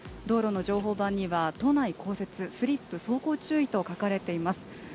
道路の情報板には都内降雪、スリップ走行注意と書かれています。